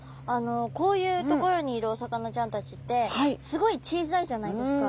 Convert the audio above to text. こういう所にいるお魚ちゃんたちってすごい小さいじゃないですか。